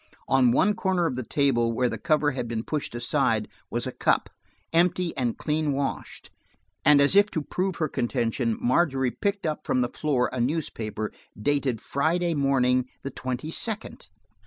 On one corner of the table, where the cover had been pushed aside, was a cup, empty and clean washed, and as if to prove her contention, Margery picked up from the floor a newspaper, dated Friday morning, the twenty second.